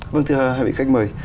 vâng thưa hai vị khách mời